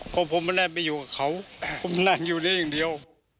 เพราะผมไม่ได้ไปอยู่กับเขาผมนั่งอยู่นี่อย่างเดียว